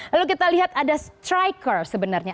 lalu kita lihat ada striker sebenarnya